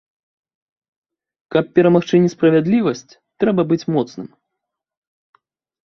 Каб перамагчы несправядлівасць, трэба быць моцным.